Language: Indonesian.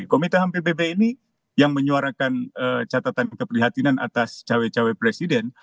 komite ham pbb ini yang menyuarakan catatan keprihatinan atas cawe cawe presiden